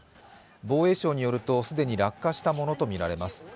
防衛省によると既に落下したものとみられます。